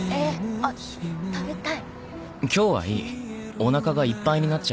あっ食べたい。